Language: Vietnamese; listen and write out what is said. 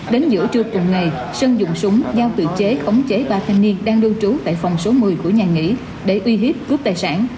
đến giữa trưa cùng ngày sơn dùng súng giao tự chế khống chế ba thanh niên đang lưu trú tại phòng số một mươi của nhà nghỉ để uy hiếp cướp tài sản